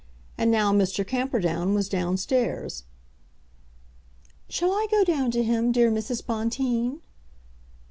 And now Mr. Camperdown was down stairs. "Shall I go down to him, dear Mrs. Bonteen?"